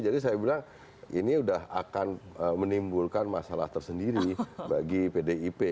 jadi saya bilang ini sudah akan menimbulkan masalah tersendiri bagi pdip